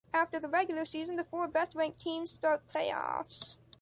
After the regular season, the four best-ranked teams starts play-offs.